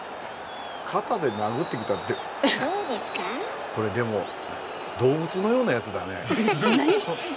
肩で殴ってきたってこれ、でも、動物のようなやつだね。